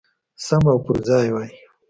سم او پرځای وای.